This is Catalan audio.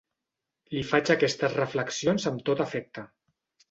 Li faig aquestes reflexions amb tot afecte.